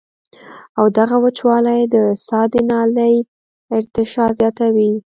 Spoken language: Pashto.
او دغه وچوالی د ساه د نالۍ ارتعاش زياتوي